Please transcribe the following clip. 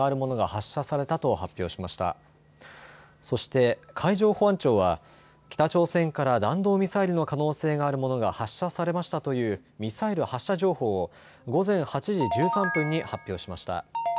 そして海上保安庁は北朝鮮から弾道ミサイルの可能性があるものが発射されましたというミサイル発射情報を午前８時１３分に発表しました。